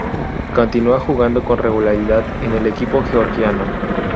Continúa jugando con regularidad en el equipo georgiano.